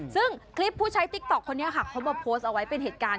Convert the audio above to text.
ซึ่งคลิปผู้ใช้ติ๊กต๊อกคนนี้ค่ะเขามาโพสต์เอาไว้เป็นเหตุการณ์